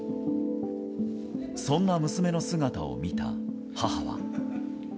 そんな娘の姿を見た母は。